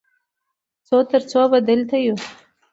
څو تر څو به دلته یو؟